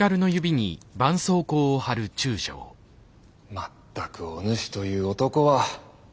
まったくおぬしという男は。